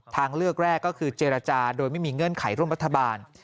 ทางเลือกแรกก็คือเจรจาโดยไม่มีเงื่อนไขร่วมรัฐบาล